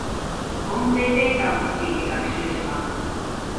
音声データを用いて学習します。